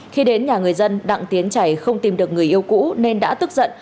khi đến nhà người dân đặng tiến chảy không tìm được người yêu cũ nên đã tức giận